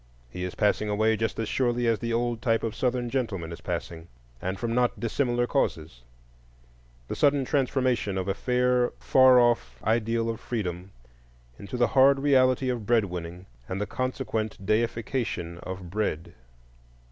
He is passing away just as surely as the old type of Southern gentleman is passing, and from not dissimilar causes,—the sudden transformation of a fair far off ideal of Freedom into the hard reality of bread winning and the consequent deification of Bread.